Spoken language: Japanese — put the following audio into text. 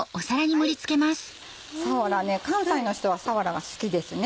さわらね関西の人はさわらが好きですね。